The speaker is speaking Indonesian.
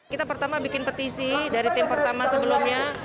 kita pertama bikin petisi dari tim pertama sebelumnya